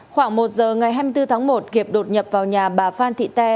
khoảng một giờ ngày hai mươi bốn tháng một kiệp đột nhập vào nhà bà phan thị te